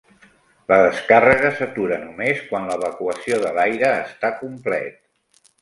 La descàrrega s'atura només quan l'evacuació de l'aire està complet.